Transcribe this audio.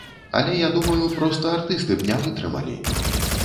Але я думаю, проста артысты б не вытрымалі!